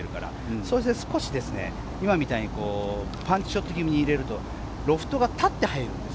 そして、少し今みたいにパンチショット気味に入れるとロフトが立って入るんです。